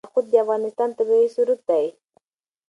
یاقوت د افغانستان طبعي ثروت دی.